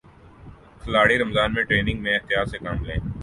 کھلاڑی رمضان میں ٹریننگ میں احتیاط سے کام لیں